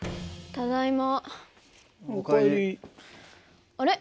ただいま。